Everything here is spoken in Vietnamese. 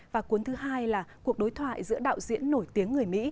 và cuốn thứ hai là cuộc đối thoại giữa đạo diễn nổi tiếng người mỹ